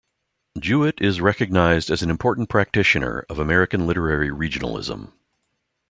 Jewett is recognized as an important practitioner of American literary regionalism.